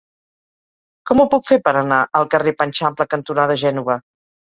Com ho puc fer per anar al carrer Panxampla cantonada Gènova?